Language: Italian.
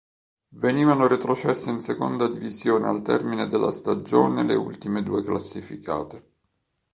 Venivano retrocesse in seconda divisione al termine della stagione le ultime due classificate.